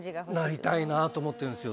なりたいなと思ってるんですよ。